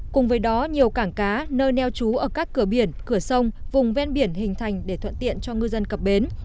cùng với đó nhiều cảng cá nơi neo trú ở các cửa biển cửa sông vùng ven biển hình thành để thuận tiện cho ngư dân cập bến